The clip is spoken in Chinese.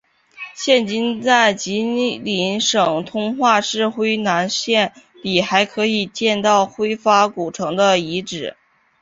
现今在吉林省通化市辉南县里还可以见到辉发古城的遗址。